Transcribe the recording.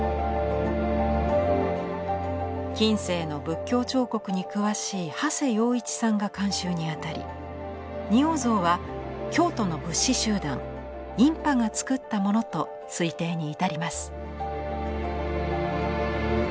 近世の仏教彫刻に詳しい長谷洋一さんが監修に当たり仁王像は京都の仏師集団院派がつくったものと推定に至ります。